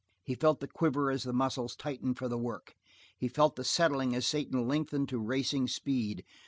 He felt the quiver as the muscles tightened for the work; he felt the settling as Satan lengthened to racing speed.